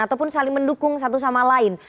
ataupun saling mendukung satu sama lain